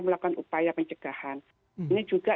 melakukan upaya pencegahan ini juga